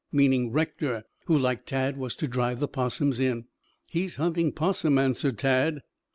meaning Rector, who like Tad was to drive the 'possums in. "He's hunting 'possum," answered Tad.